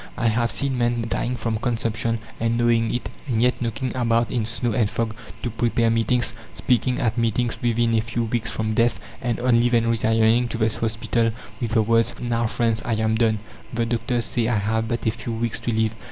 I have seen men, dying from consumption, and knowing it, and yet knocking about in snow and fog to prepare meetings, speaking at meetings within a few weeks from death, and only then retiring to the hospital with the words: "Now, friends, I am done; the doctors say I have but a few weeks to live.